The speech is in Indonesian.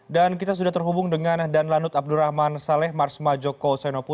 dan kita sudah terhubung dengan danlanut abdurrahman saleh marsma joko senopu